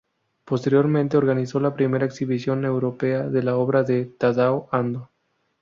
Posteriormente organizó la primera exhibición europea de la obra de Tadao Ando.